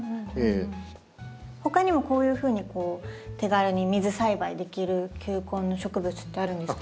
ほかにもこういうふうに手軽に水栽培できる球根の植物ってあるんですか？